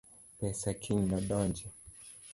Pesa kiny nodonji